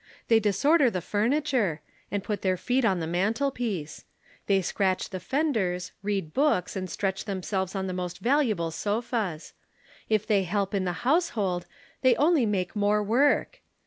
They disorder the furniture and put their feet on the mantelpiece. They scratch the fenders, read books and stretch themselves on the most valuable sofas. If they help in the household they only make more work.